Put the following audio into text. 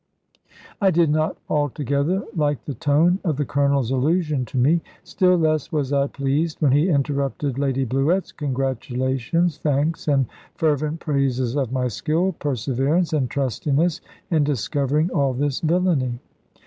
I did not altogether like the tone of the Colonel's allusion to me; still less was I pleased when he interrupted Lady Bluett's congratulations, thanks, and fervent praises of my skill, perseverance, and trustiness in discovering all this villany.